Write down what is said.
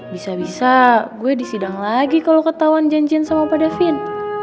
bisa bisa gue disidang lagi kalo ketauan janjin sama opa davin